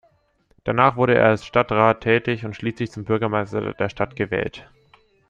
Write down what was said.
Danach wurde er als Stadtrat tätig und schließlich zum Bürgermeister der Stadt gewählt.